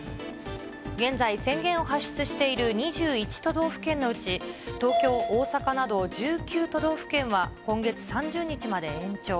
現在、宣言を発出している２１都道府県のうち、東京、大阪など１９都道府県は、今月３０日まで延長。